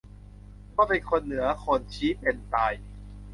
ว่าเป็นคน เหนือคน ชี้เป็น-ตาย